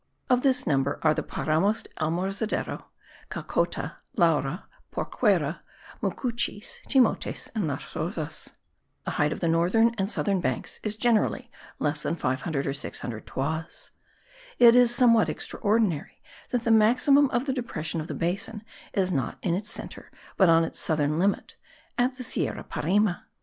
Of this number are the Paramos del Almorzadero, Cacota, Laura, Porquera, Mucuchies, Timotes, and Las Rosas. The height of the northern and southern banks is generally less than 500 or 600 toises. It is somewhat extraordinary that the maximum of the depression of the basin is not in its centre, but on its southern limit, at the Sierra Parime.